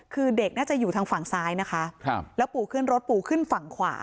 คือเด็กน่าจะอยู่ทางฝั่งซ้ายนะคะแล้วปู่ขึ้นรถปู่ขึ้นฝั่งขวา